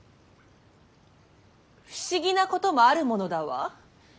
不思議なこともあるものだわ。